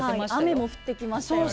雨も降ってきましたよね。